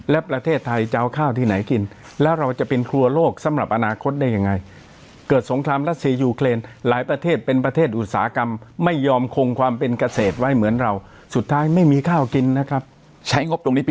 และประเทศไทยจะเอาข้าวที่ไหนกินแล้วเราจะเป็นครัวโลกสำหรับอนาคตได้ยังไง